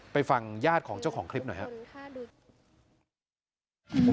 ฟังญาติของเจ้าของคลิปหน่อยครับ